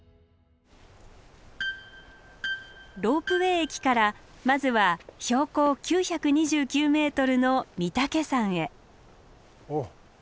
ロープウエー駅からまずは標高９２９ｍの御岳山へ。